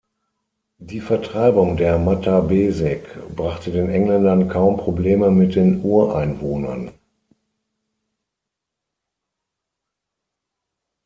Die Vertreibung der Mattabesic brachte den Engländern kaum Probleme mit den Ureinwohnern.